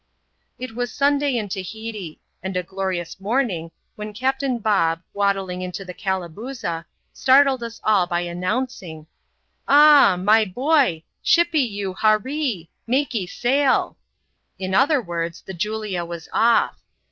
It was Sunday in Tahiti, and a glorious morning, when Cftptain Bob, waddling into the Calabooza, startled us by an nouncing, " Ah — my boy — shippy you, harree — maky sail t *' Li other words, the Julia was off.